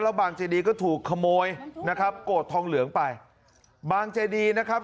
แล้วบางเจดีก็ถูกขโมยนะครับโกรธทองเหลืองไปบางเจดีนะครับ